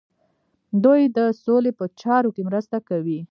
دوی د سولې په چارو کې مرسته کوي.